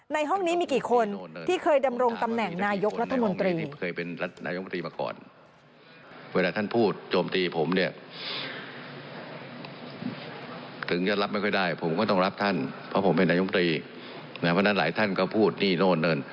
ในห้องนี้มีกี่คนที่เคยดำรงตำแหน่งนายกรัฐมนตรี